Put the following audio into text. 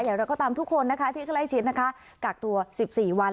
เดี๋ยวเราก็ตามทุกคนที่ใกล้ชิดนะคะกากตัว๑๔วัน